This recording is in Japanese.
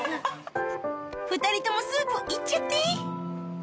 ２人ともスープ行っちゃって！